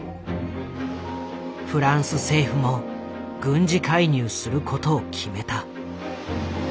フランス政府も軍事介入することを決めた。